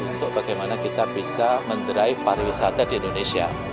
untuk bagaimana kita bisa mendrive pariwisata di indonesia